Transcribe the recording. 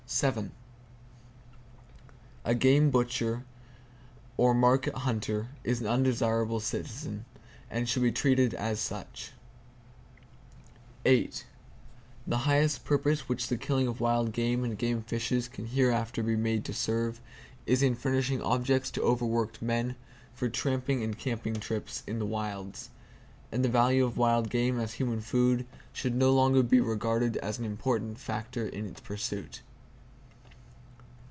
[Page 385] A game butcher or a market hunter is an undesirable citizen, and should be treated as such. The highest purpose which the killing of wild game and game fishes can hereafter be made to serve is in furnishing objects to overworked men for tramping and camping trips in the wilds; and the value of wild game as human food should no longer be regarded as an important factor in its pursuit.